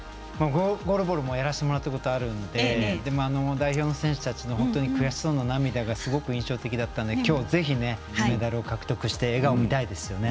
ゴールボールもやらせてもらったことあるので代表の選手たちの悔しそうな涙がすごく印象的だったのできょう、ぜひメダルを獲得して笑顔が見たいですよね。